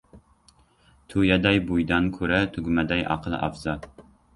• Tuyaday bo‘ydan ko‘ra, tugmaday aql afzal.